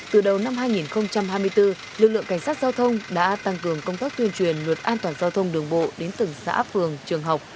từ đầu năm hai nghìn hai mươi bốn lực lượng cảnh sát giao thông đã tăng cường công tác tuyên truyền luật an toàn giao thông đường bộ đến từng xã phường trường học